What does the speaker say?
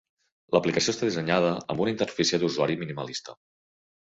L'aplicació està dissenyada amb una interfície d'usuari minimalista.